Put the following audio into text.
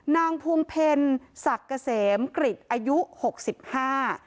นางพวงเพลศักดิ์เกษมกริจอายุหกสิบห้า